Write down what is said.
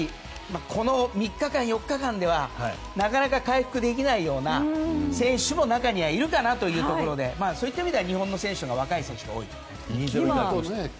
この３日間、４日間ではなかなか回復できないような選手も中にはいるかなというところでそういった意味では日本のほうが若い選手が多いですから。